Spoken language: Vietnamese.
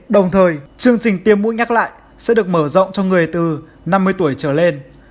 đồng thời chương trình tiêm mũi nhắc lại sẽ được mở rộng cho người từ năm mươi tuổi trở lên